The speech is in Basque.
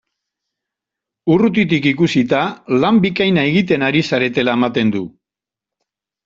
Urrutitik ikusita, lan bikaina egiten ari zaretela ematen du!